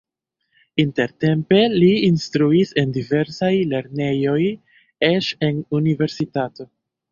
Intertempe li instruis en diversaj lernejoj, eĉ en universitato.